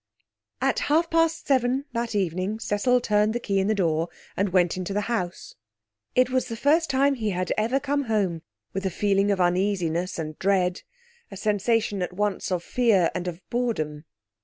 At half past seven that evening Cecil turned the key in the door and went into the house. It was the first time he had ever come home with a feeling of uneasiness and dread; a sensation at once of fear and of boredom.